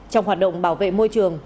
trong hoạt động bảo vệ môi trường